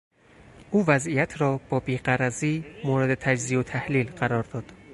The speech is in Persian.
او وضعیت را با بیغرضی مورد تجزیه و تحلیل قرار داد.